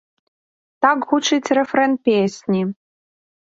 Так гучыць рэфрэн песні.